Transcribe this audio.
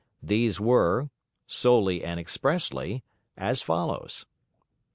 These were, "solely and expressly," as follows: 1.